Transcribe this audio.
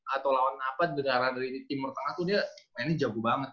atau lawan apa negara dari timur tengah tuh dia mainnya jago banget